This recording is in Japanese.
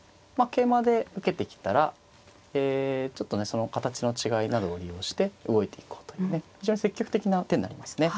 桂馬で受けてきたらちょっとねその形の違いなどを利用して動いていこうというね非常に積極的な手になりますね。